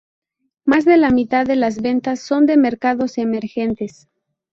Más de la mitad de las ventas son de mercados emergentes.